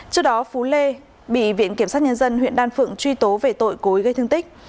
trước đó phú lê bị viện kiểm sát nhân dân huyện đan phượng truy tố về tội cối gây thương tích